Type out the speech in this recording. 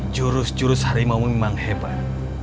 jurus jurus harimau memang hebat